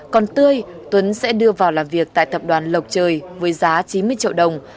còn tươi tuấn sẽ đưa vào làm việc tại tập đoàn lộc trời với giá chín mươi triệu đồng